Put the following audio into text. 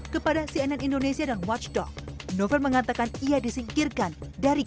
kepada cnn indonesia dan watchdog novel mengatakan ia disingkirkan dari